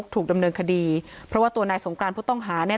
ถูกดำเนินคดีเพราะว่าตัวนายสงกรานผู้ต้องหาเนี่ย